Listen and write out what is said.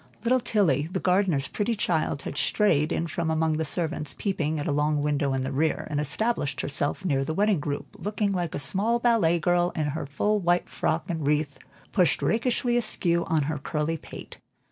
Little Tilly, the gardener's pretty child, had strayed in from among the servants peeping at a long window in the rear, and established herself near the wedding group, looking like a small ballet girl in her full white frock and wreath pushed rakishly askew on her curly pate.